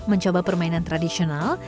mencoba permainan tradisional